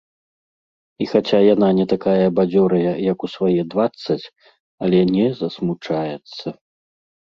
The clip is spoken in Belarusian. І хаця яна не такая бадзёрая, як у свае дваццаць, але не засмучаецца.